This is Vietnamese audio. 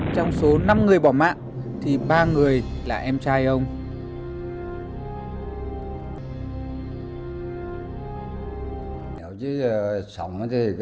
trong số năm người bỏ mạng thì ba người là em trai ông